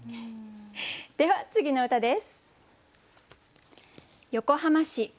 では次の歌です。